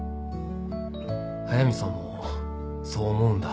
速見さんもそう思うんだ。